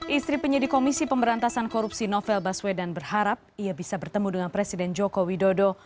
istri penyidik komisi pemberantasan korupsi novel baswedan berharap ia bisa bertemu dengan presiden joko widodo